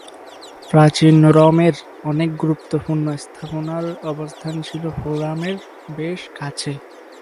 প্রাচীন রোমের অনেক গুরুত্বপূর্ণ স্থাপনার অবস্থান ছিল ফোরামের বেশ কাছে।